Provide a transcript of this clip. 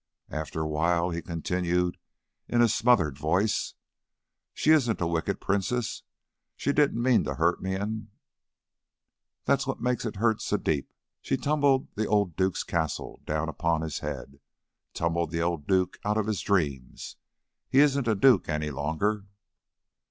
After a while he continued in a smothered voice: "She isn't a wicked princess. She didn't mean to hurt me and that's what makes it hurt so deep. She tumbled the old duke's castle down upon his head; tumbled the old duke out of his dreams. He isn't a duke any longer."